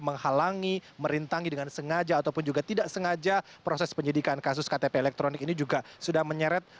menghalangi merintangi dengan sengaja ataupun juga tidak sengaja proses penyidikan kasus ktp elektronik ini juga sudah menyeret